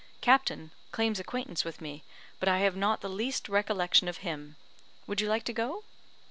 Captain claims acquaintance with me; but I have not the least recollection of him. Would you like to go?"